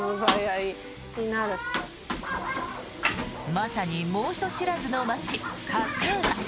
まさに猛暑知らずの街、勝浦。